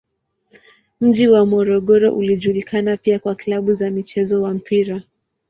Mji wa Morogoro unajulikana pia kwa klabu za mchezo wa mpira.